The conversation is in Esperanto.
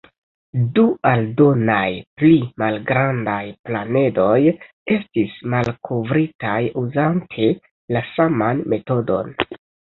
Du aldonaj pli malgrandaj planedoj estis malkovritaj uzante la saman metodon.